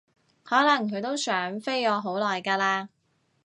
可能佢都想飛我好耐㗎喇